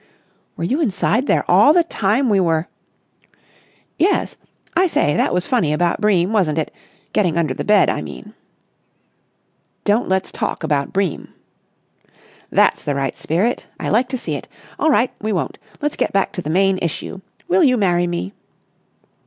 "Were you inside there all the time we were...?" "Yes. I say, that was funny about Bream, wasn't it? Getting under the bed, I mean." "Don't let's talk about Bream." "That's the right spirit! I like to see it! All right, we won't. Let's get back to the main issue. Will you marry me?"